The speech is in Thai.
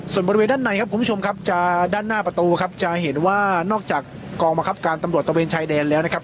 ส่วนบริเวณด้านในครับคุณผู้ชมครับจะด้านหน้าประตูครับจะเห็นว่านอกจากกองบังคับการตำรวจตะเวนชายแดนแล้วนะครับ